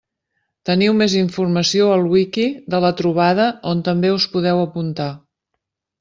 Teniu més informació al Wiki de la trobada on també us podeu apuntar.